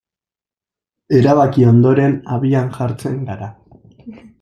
Erabaki ondoren, abian jartzen gara.